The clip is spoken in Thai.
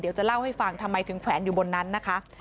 เดี๋ยวจะเล่าให้ฟังทำไมถึงแขวนอยู่บนนั้นนะคะ